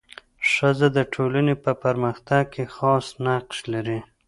ښځه د ټولني په پرمختګ کي خاص نقش لري.